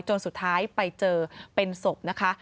จนสุดท้ายไปเจอเป็นศพนะคะ